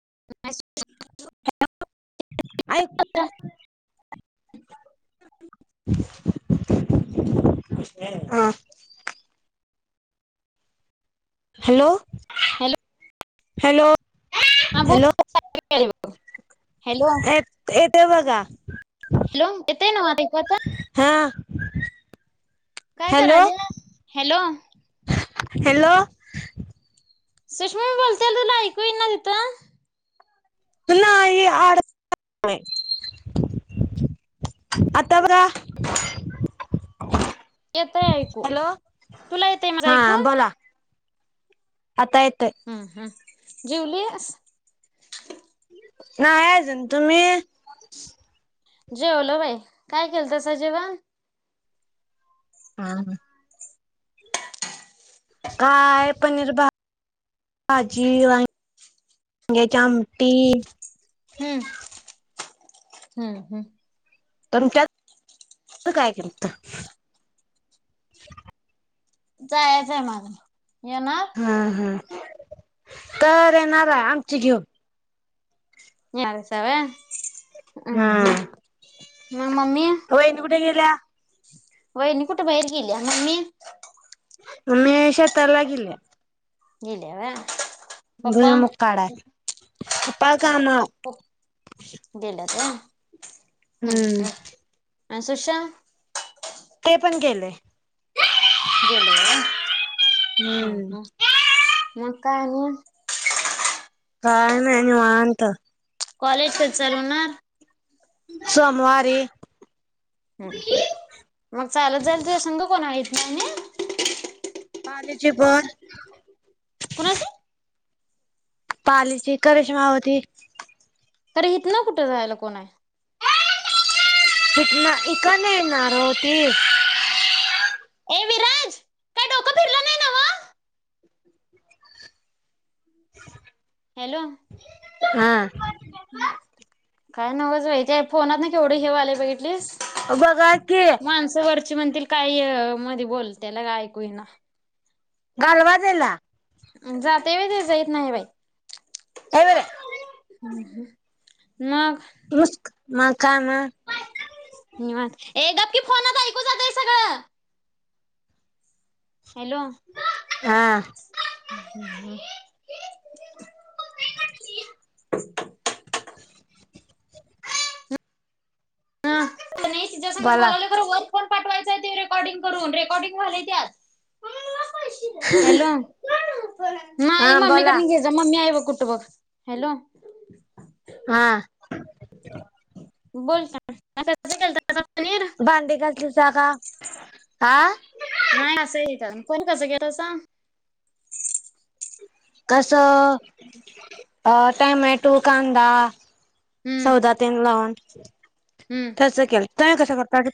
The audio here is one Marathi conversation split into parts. [unintelligible] [unintelligible] ऐक [unintelligible] [unintelligible] [unintelligible] हॅलो हॅलो हॅलो आं बो [unintelligible] [inaudible] एप-एप ओय बगा हॅलो, येतंय नवं आता इकचा हा काय हॅलो कराल्या? हॅलो. हॅलो सुषमा मी बोलत्याल् तुला ऐकू इना तिथं? नाही आ [unintelligible] आता बघा? येतय ऐकू. हॅलो तुला येतय माझ हा ऐकू? बोला आता येतय. जेवलीयस नाही आजून, तुम्ही? जेवलो बाई. काय केलतसा जेवण? आं हं काय, पनीर भा भाजी [inaudible] वांग्याची आमटी. हम्म हम्म हम्म पण त्या [inaudible] त काय केलंत? जायाचाय माझं. हां-हां, तर येणाराय आमची घेऊ. यावसा वै? अं हा हं, म मम्मी. वहिनी कुठे गेल्या? वहिणी कुठं बाहेर गेलीया मम्मी ममी श ताला गेलीया. गेलीया व्हय. पप्पा भुईमुग काढाय, पपा कामाव गेल्यात व्हय हम्म अन् सुशा ते पण गेलंय. गेलं व्हय हम हम्म हम म काय आणि? काय नाय निवांत. कॉलेज कधी चालू होणार? सोमवारी हूं मग चालत जाईला तुजा संग कोण हाय? मम्मी पारले जी बर कुणाची? पालीची करशमा व्हती खर हितनं कुठं जायला कोण आहे? हितनं इकडनं येणार ओ ती. ए विराज काय डोकं फिरलं नाही नव्ह [inaudible] हॅलो हा हम्म काय नवच बाई ते फोनातन केवढ त हेे व्हालय बघितलिस ब गा की काही मध्ये बोलतेला का ऐकू येना घालवा तेला जातय वय ते जाईत नाही बाई. [unintelligible] मग मुुस्क म काम ए गप की फोनात ऐकू जातंय सगळं हॅलो हा हं तसं नाही तिच्या संगच बोला बोलायलं बरोबर फोन पाठवायचाय ते रेकॉर्डिंग करून, रेकॉर्डिंग व्हालंय त्यात. हॅलो नाही हा बोला मम्मीकडन घे जा. मम्मी आहे बघ. कुटबग हॅलो हा. बोल का? भांडी घासलीसा का? आ नाही असंही घेता. कोण कसं घेत सांग? कसं अ टॅमॅटू, कांदा हम्म सौदातेन लावून. हम्म [inaudible] तसं केलं. काय कसं कर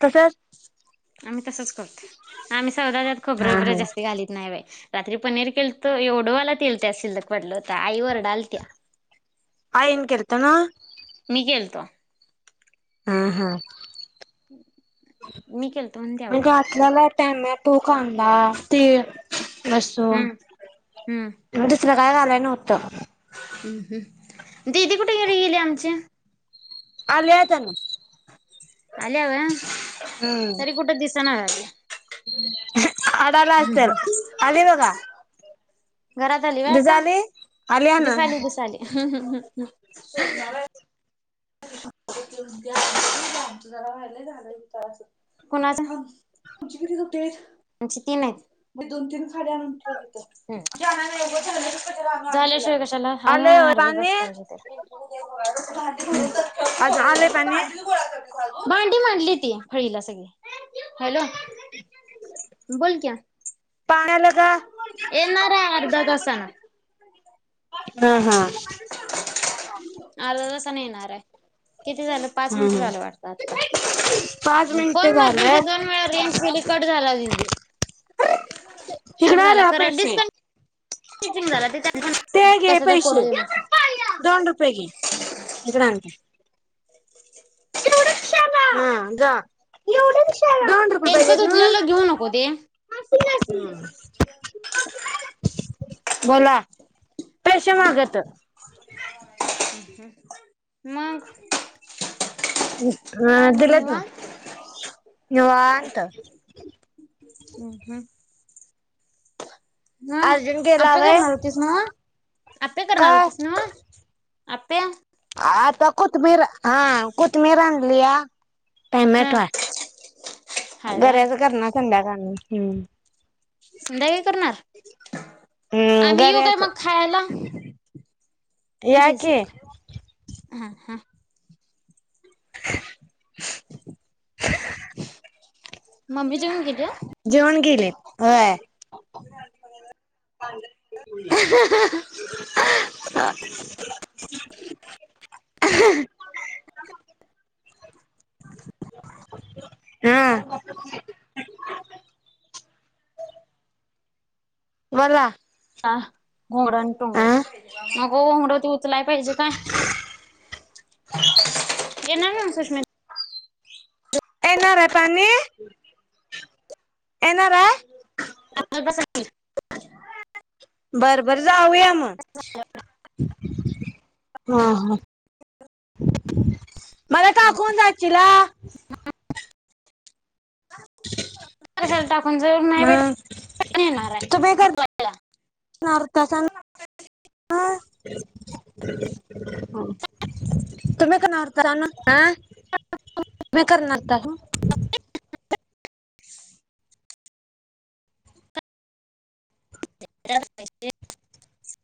का गं? आम्ही तसंच करतोय. आम्ही सगळ्यात हा खोबरं-बिबरं हा जास्ती घालीत नाही बाई. रात्री पनीर केलतं एवढंबला तेल त्यात शिल्लक पडलं होत आई वर डालत्या. केलंत ना? गेलतो. हं हं. मी केलत म्हणून ते आवरायलाविती गं. तू कांडास. ते लसूण हम्म हम्म. दुसरं काय घालाय नव्हतं. दीदी कुठे घरी गेलीया आमच्या? आलीया तेनम आलीया होय? तरी कुठं दिस सणा झालिया. [inaudible] अडाला असेल. आली बघा. घरात आली होय आता? आली ना दिसाली, दिसाली. कोणाच? आमची तिनं आहेत. ह तू आल्याशिवाय कशा चला हा ना आलंय होय अर्धा तास पाणी पाहिजे तेला. राजे [unintelligible] आज आलंय पाणी? करते घालून. भांडी मांडली ती फळीला सगळी. हॅलो, पाणी आलं का? येणार आहे. अर्धा तासानं हा हा, अर्धा येणार आहे. किती झालं पाच हम्म मिनट हम्म झालं वाटतं, आता पाच मिनिटे फोन मर्दिनचे झालेत दोन वेळा रेंज गेली. कट झाला. हिकडा ना पैसे. ते [unintelligible] घे कस तर पैसे पडू दे. [inaudible] हा जावा [unintelligible] त्यांचं धुतलेलं घेऊ नको ते [unintelligible] बोला. पैसे मागत मग, हा काय मग दिलेत ना निवांत. निवांत. हम्म हम्म हा अर्जुन गेला आता व्हय करणार होतीस नव. आता करणार होतीस नव. आत्या आत्ता कोथमीर हा कोथमिर आणल्या. हा टोमॅटो आहे. हाय व्हय गऱ्याच करणार संध्याकाळ हम्म संध्याकाळी करणार हम्म आम्ही येऊ काय गऱ्याच मग खायला. [unintelligible] या जी की सर हा हा मम्मी जेवून गेल्या? जेवण गेलेत होय, [inaudible] हा, बोले. हा घोंगडं आणि तोंगड नको, घोंगड उचलाय पाहिजे काय, येणार नव्ह सुषमी येणार आहे पाणी, येणार हाय. [inaudible] बर बर जाऊया मग. [inaudible] हा हा. [inaudible] मला टाकवून जाचीला. कशाला टाकून जर नाही भेट मग येणार आहे तुम्ही करणार होतासा नव्ह? तुम्ही करणार होतासा नव्ह तुम्हीं करणार होतासा? [inaudible] [inaudible]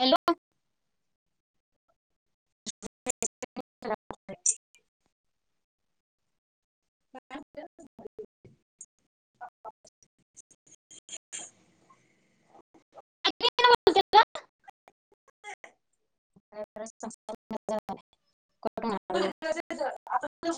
हॅलो [inaudible] [inaudible]